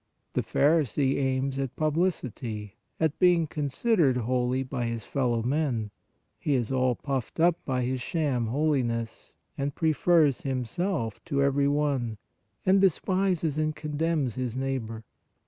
The pharisee aims at publicity, at being consid ered holy by his fellow men; he is all puffed up by his sham holiness, and prefers himself to every one, and despises and condemns his neighbor.